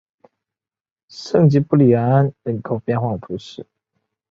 圣吉布里安人口变化图示